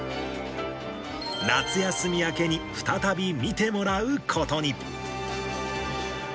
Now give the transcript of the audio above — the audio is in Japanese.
夏休み明けに再び、見てもらうことに。